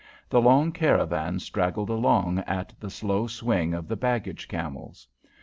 The long caravan straggled along at the slow swing of the baggage camels.